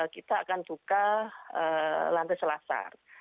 kita akan buka lantai selasar